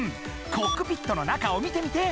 コックピットの中を見てみて！